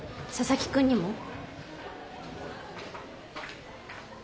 佐々木くんにも？